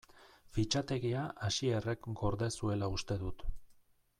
Fitxategia Asierrek gorde zuela uste dut.